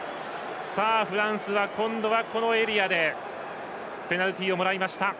フランスは今度はこのエリアでペナルティーをもらいました。